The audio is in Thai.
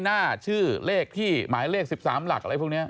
หน้าชื่อเลขที่หมายเลข๑๓หลักอะไรพวกนี้